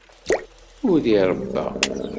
Ur iṛebba.